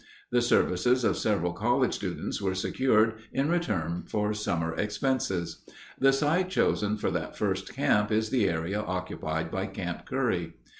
The services of several college students were secured in return for summer expenses. The site chosen for that first camp is the area occupied by Camp Curry.